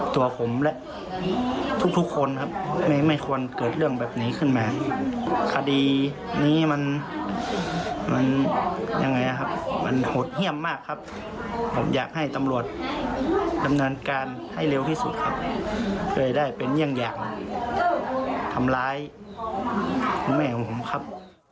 ทำร้ายคุณแม่ของผมครับ